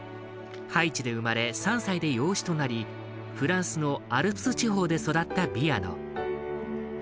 ハイチで生まれ３歳で養子となりフランスのアルプス地方で育ったビアノ。